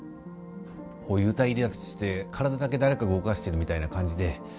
こう幽体離脱して体だけ誰かが動かしてるみたいな感じで。